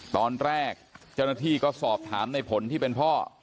ตอนแรกเจ้าหน้าที่ก็สอบถามในผลที่เป็นพ่อ